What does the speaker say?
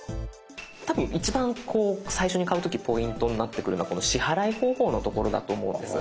多分一番最初に買う時ポイントになってくるのはこの支払い方法のところだと思うんです。